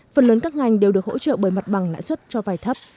phần lớn các ngành đều được hỗ trợ bởi mặt bằng lãi suất cho vay thấp